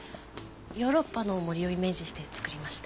ヨーロッパの森をイメージして作りました。